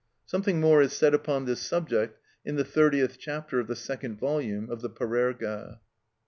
Something more is said upon this subject in the thirtieth chapter of the second volume of the "Parerga."